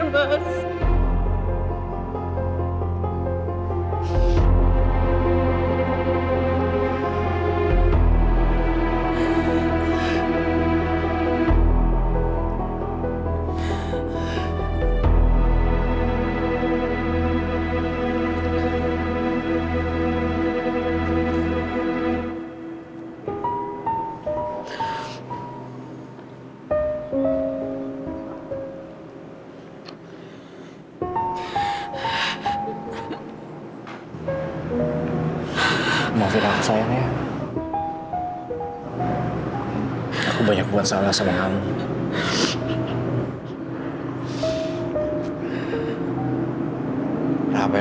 mas masih bersemangat sama jessica ya